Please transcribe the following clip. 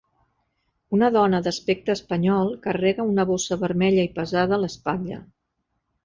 Una dona d'aspecte espanyol carrega una bossa vermella i pesada a l'espatlla.